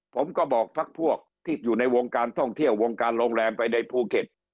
ผมก็บอกพักพวกที่อยู่ในวงการท่องเที่ยววงการโรงแรมไปในภูเก็ต